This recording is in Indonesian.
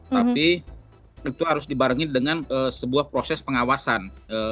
tapi itu harus dibarengi dengan sebuah proses pengawasan